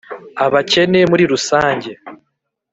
abakene muri rusange